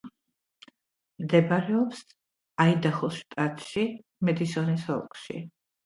მდებარეობს აიდაჰოს შტატში, მედისონის ოლქში.